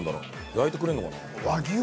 焼いてくれるのかな。